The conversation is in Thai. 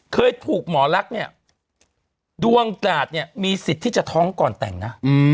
เคยถูกหมอลักษณ์เนี่ยดวงกราดเนี่ยมีสิทธิ์ที่จะท้องก่อนแต่งนะ